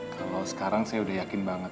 kalau sekarang saya udah yakin banget